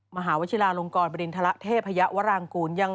มหาวชิลาลงกรบฎินธระพระเทพอยะวรรางกูล